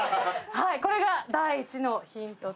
これが第１のヒントと。